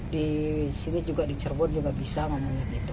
di sini juga di cerbon juga bisa ngomongnya gitu